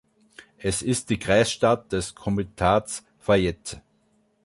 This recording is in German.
Es ist die Kreisstadt des Komitats Fayette.